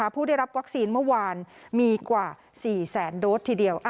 ผู้ได้รับวัคซีนเมื่อวานมีกว่า๔แสนโดสทีเดียว